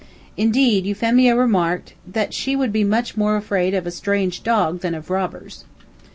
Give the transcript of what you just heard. Indeed, Euphemia remarked that she would be much more afraid of a strange dog than of robbers.